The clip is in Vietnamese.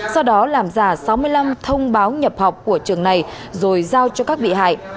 sau đó làm giả sáu mươi năm thông báo nhập học của trường này rồi giao cho các bị hại